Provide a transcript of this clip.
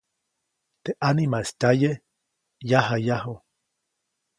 Teʼ ʼanimaʼis tyaye, yajayaju.